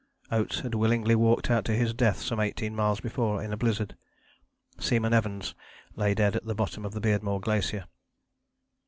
Oates had willingly walked out to his death some eighteen miles before in a blizzard. Seaman Evans lay dead at the bottom of the Beardmore Glacier.